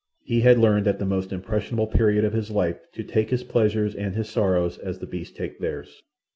He had learned at the most impressionable period of his life to take his pleasures and his sorrows as the beasts take theirs.